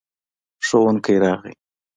ښوونکی راغی.